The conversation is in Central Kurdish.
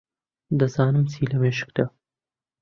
دەزانم چی لە مێشکتە.